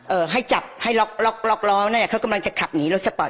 ให้จับให้ล็อกล็อกล้อนั่นแหละเขากำลังจะขับหนีรถสปอร์ต